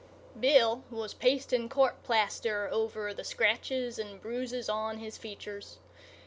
Bill was pasting court plaster over the scratches and bruises on his features.